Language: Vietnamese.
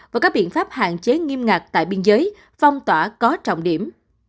và các biện pháp hạn chế nghiêm ngặt tại biên giới phong tỏa có trọng điểm